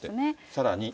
さらに。